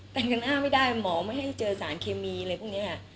แต่งกันอ้าไม่ได้หมอไม่ให้เจอสารเคมีอะไรพวกนี้